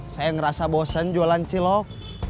saya ngerasa bosen jualan cilok